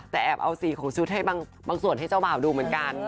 แต่แอบเอาสีของชุดให้บางส่วนให้เจ้าบ่าวดูเหมือนกัน